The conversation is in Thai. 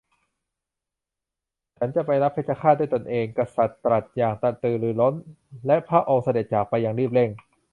ฉันจะไปรับเพชฌฆาตด้วยตนเอง กษัตริย์ตรัสอย่างกระตือรือร้น และพระองค์เสด็จจากไปอย่างรีบเร่ง